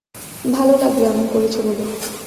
ভালো লাগলো এমন করেছ বলে।